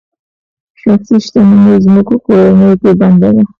شخصي شتمني ځمکو کورونو کې بنده ده.